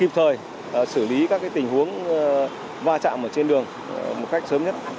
kịp thời xử lý các tình huống va chạm trên đường một cách sớm nhất